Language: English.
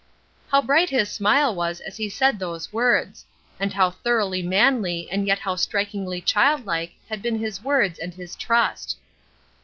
How bright his smile was as he said those words! And how thoroughly manly and yet how strikingly childlike had been his words and his trust!